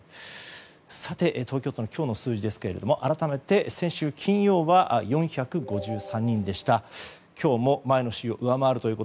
さて、東京都の今日の数字ですが改めて、先週金曜は４５３人でした。